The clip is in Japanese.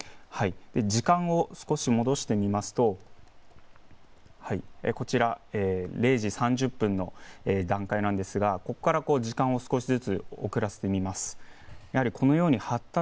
時間を少し戻して見ますと０時３０分の段階なんですけれど、ここから少しずつ時間を送らせてみます。